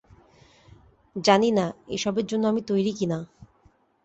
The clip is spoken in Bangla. জানি না এসবের জন্য আমি তৈরি কিনা।